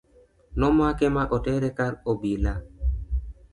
nomake ma otere kar obila